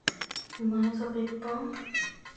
おまえが別班？